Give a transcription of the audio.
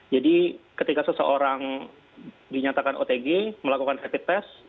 jadi ketika seseorang dinyatakan otg melakukan rapid test